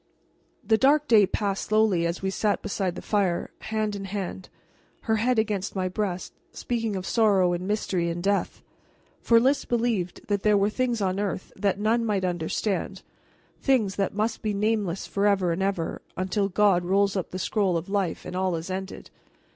The dark day passed slowly as we sat beside the fire, hand in hand, her head against my breast, speaking of sorrow and mystery and death. For Lys believed that there were things on earth that none might understand, things that must be nameless forever and ever, until God rolls up the scroll of life and all is ended.